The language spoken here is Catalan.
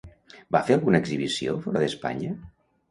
Va fer alguna exhibició fora d'Espanya?